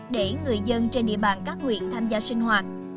để người dân trên địa bàn các huyện tham gia sinh hoạt